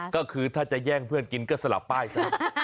ก็คือถ้าจะแย่งเพื่อนกินก็สลับป้ายซะ